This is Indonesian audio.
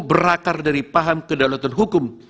berakar dari paham kedaulatan hukum